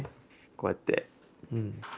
こうやって。